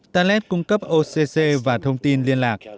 talet cung cấp occ và thông tin liên lạc